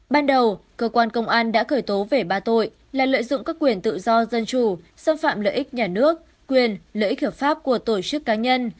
ban đầu cơ quan công an đã khởi tố về ba tội là lợi dụng các quyền tự do dân chủ xâm phạm lợi ích nhà nước quyền lợi ích hợp pháp của tổ chức cá nhân